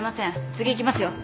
次行きますよ。